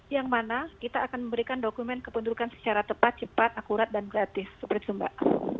yang mana kita akan memberikan dokumen kependudukan secara tepat cepat akurat dan gratis seperti itu mbak